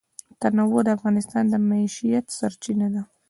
تنوع د افغانانو د معیشت سرچینه ده.